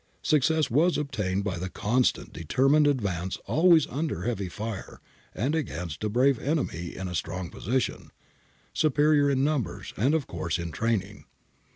Success was obtained by the constant, determined advance always under heavy fire and against a brave enemy in a strong position, superior in numbers and of course in training.